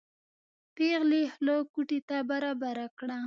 پېغلې خوله کوټې ته برابره کړه.